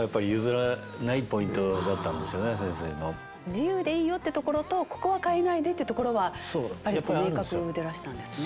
自由でいいよってところとここは変えないでってところはやっぱり明確でらしたんですね。